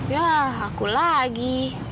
yah aku lagi